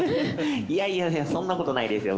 いやいやいやそんなことないですよ。